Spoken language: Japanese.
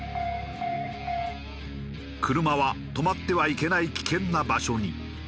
車は止まってはいけない危険な場所に。